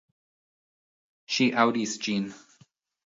Ŝi aŭdis ĝin.